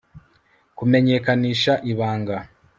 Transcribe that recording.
kumenyekanisha ibanga